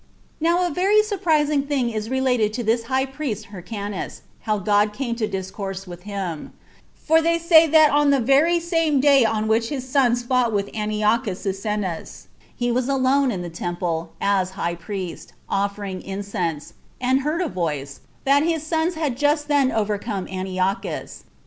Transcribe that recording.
Now a very surprising thing is related of this high priest Hyrcanus, how God came to discourse with him; for they say that on the very same day on which his sons fought with Antiochus Cyzicenus, he was alone in the temple, as high priest, offering incense, and heard a voice, that his sons had just then overcome Antiochus.